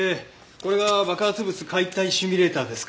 これが爆発物解体シミュレーターですか。